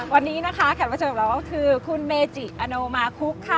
วันนี้นะคะแขกมาเจอกับเราคือคุณเมจิอโนมาคุกค่ะ